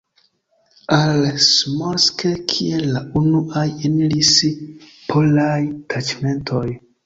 Al Smolensk kiel la unuaj eniris polaj taĉmentoj.